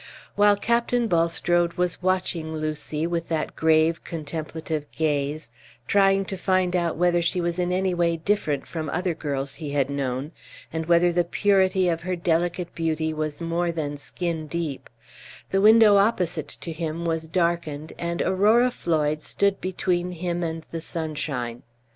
While Captain Bulstrode was watching Lucy with that grave, contemplative gaze, trying to find out whether she was in any way different from other girls he had known, and whether the purity of her delicate beauty was more than skin deep, the window opposite to him was darkened, and Aurora Floyd stood between him and the sunshine.